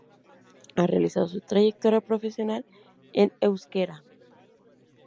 Ha realizado su trayectoria profesional en euskera.